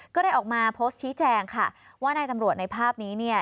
ก็ได้ออกมาโพสต์ชี้แจงค่ะว่านายตำรวจในภาพนี้เนี่ย